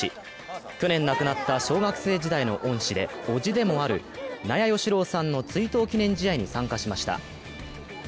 去年亡くなった小学生時代の恩師でおじでもある納谷義郎さんの追悼記念試合に参加しました。